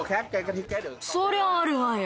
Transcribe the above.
そりゃあるわよ